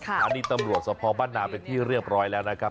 อันนี้ตำรวจสภบ้านนาเป็นที่เรียบร้อยแล้วนะครับ